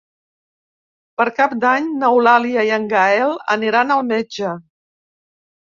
Per Cap d'Any n'Eulàlia i en Gaël aniran al metge.